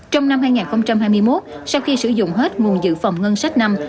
trong năm hai nghìn hai mươi một sau khi sử dụng hết nguồn dự phòng ngân sách năm